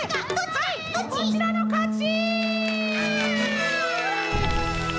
はいこちらのかち！